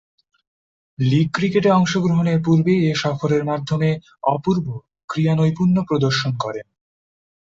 লীগ ক্রিকেটে অংশগ্রহণের পূর্বে এ সফরের মাধ্যমে অপূর্ব ক্রীড়ানৈপুণ্য প্রদর্শন করেন।